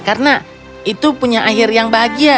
karena itu punya akhir yang bahagia